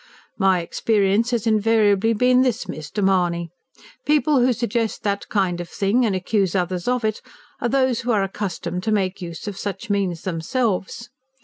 "My experience has invariably been this, Mr. Mahony: people who suggest that kind of thing, and accuse others of it, are those who are accustomed to make use of such means themselves.